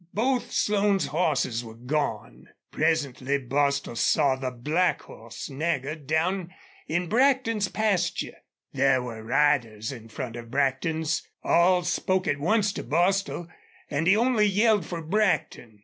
Both Slone's horses were gone. Presently Bostil saw the black horse Nagger down in Brackton's pasture. There were riders in front of Brackton's. All spoke at once to Bostil, and he only yelled for Brackton.